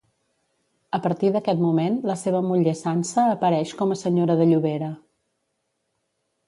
A partir d'aquest moment, la seva muller Sança apareix com a senyora de Llobera.